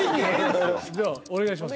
じゃあお願いします。